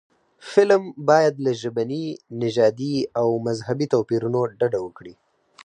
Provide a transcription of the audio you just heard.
فلم باید له ژبني، نژادي او مذهبي توپیرونو ډډه وکړي